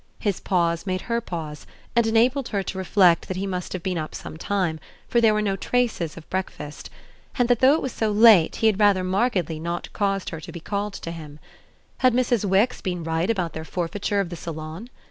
His pause made her pause and enabled her to reflect that he must have been up some time, for there were no traces of breakfast; and that though it was so late he had rather markedly not caused her to be called to him. Had Mrs. Wix been right about their forfeiture of the salon?